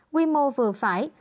quy mô vừa phải